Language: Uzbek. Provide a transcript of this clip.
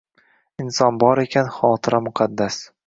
Inson bor ekan, xotira – muqaddas